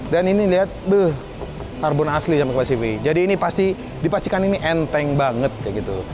dan ini lihat deh carbon asli sama kuasivi jadi ini pasti dipastikan ini enteng banget kayak gitu